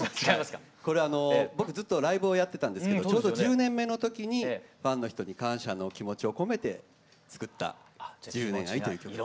これあの僕ずっとライブをやってたんですけどちょうど１０年目の時にファンの人に感謝の気持ちを込めて作った「１０年愛」という曲です。